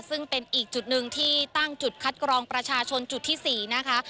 ซึ่งเป็นอีกจุดหนึ่งที่ตั้งจุดคัดกรองประชาชนจุดที่๔นะคะ